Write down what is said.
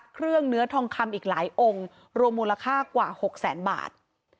เนื้อทองคำอีกหลายองค์รวมมูลค่ากว่า๖แสนบาท